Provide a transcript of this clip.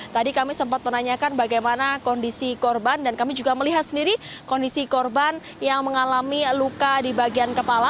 tadi kami sempat menanyakan bagaimana kondisi korban dan kami juga melihat sendiri kondisi korban yang mengalami luka di bagian kepala